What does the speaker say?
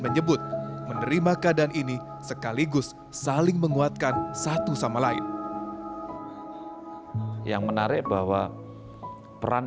menyebut menerima keadaan ini sekaligus saling menguatkan satu sama lain yang menarik bahwa peran